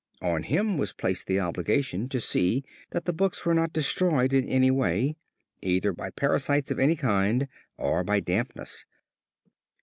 On him was placed the obligation to see that the books were not destroyed in any way, either by parasites of any kind or by dampness.